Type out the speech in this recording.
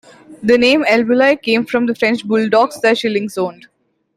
The name "elBulli" came from the French bulldogs the Schillings owned.